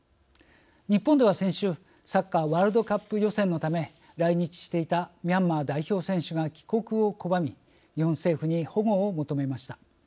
日本では先週サッカーワールドカップ予選のため来日していたミャンマー代表選手が帰国を拒み日本政府に保護を求めました。